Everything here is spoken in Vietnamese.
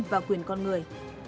và quyền con người